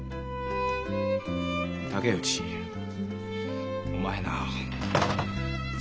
竹内お前な。